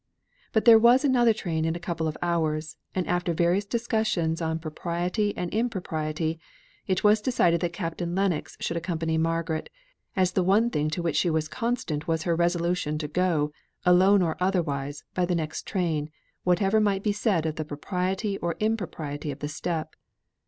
But there was another train in a couple of hours; and after various discussions on propriety and impropriety, it was decided that Captain Lennox should accompany Margaret, as the one thing to which she was constant was her resolution to go, alone or otherwise, by the next train, whatever might be said of the propriety or impropriety of the step.